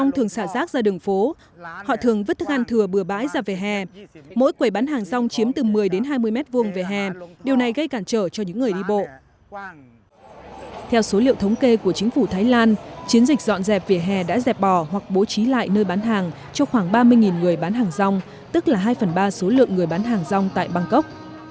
trong thái lan chiến dịch dọn dẹp vỉa hè đã dẹp bỏ hoặc bố trí lại nơi bán hàng cho khoảng ba mươi người bán hàng rong tức là hai phần ba số lượng người bán hàng rong tại bangkok